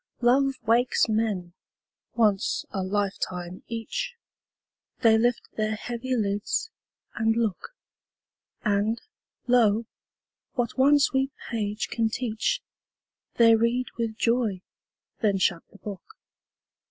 Love wakes men, once a lifetime each; They lift their heavy lids, and look; And, lo, what one sweet page can teach, They read with joy, then shut the book.